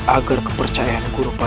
agar kepercayaanmu akan berjalan